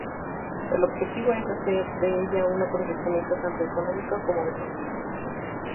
El objetivo es hacer de ella un aprovechamiento tanto económico como deportivo.